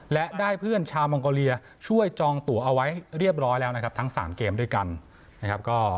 และได้เพื่อนชาวมองโกเลียช่วยจองตัวเอาไว้เรียบร้อยแล้วนะครับทั้ง๓เกมด้วยกันนะครับ